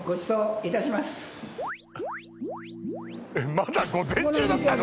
まだ午前中だったの？